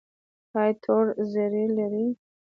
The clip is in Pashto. ایا تور زیړی لرئ؟